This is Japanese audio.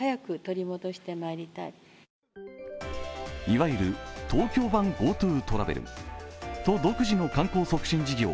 いわゆる東京版ＧｏＴｏトラベル、都独自の観光促進事業